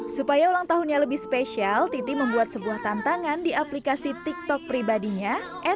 supaya ulang tahunnya lebih spesial titi membuat sebuah tantangan di aplikasi tiktok pribadinya